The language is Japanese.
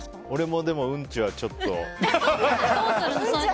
俺もでも、うんちはちょっと。